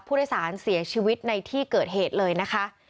ผู้โดยสารเสียชีวิตในที่เกิดเหตุเลยนะคะ